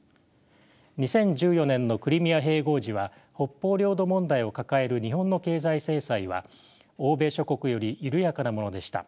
２０１４年のクリミア併合時は北方領土問題を抱える日本の経済制裁は欧米諸国より緩やかなものでした。